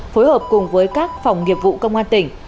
phối hợp cùng với các phòng nghiệp vụ công an tỉnh